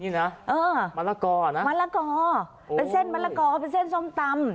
นี่นะเออมะละกอนะมะละกอเป็นเส้นมะละกอเป็นเส้นส้มตำ